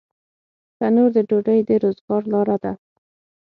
تنور د ډوډۍ د روزګار لاره ده